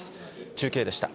中継でした。